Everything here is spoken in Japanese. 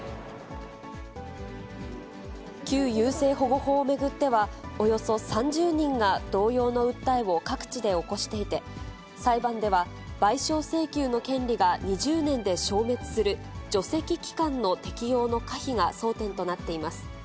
旧優生保護法を巡っては、およそ３０人が同様の訴えを各地で起こしていて、裁判では、賠償請求の権利が２０年で消滅する除斥期間の適用の可否が争点となっています。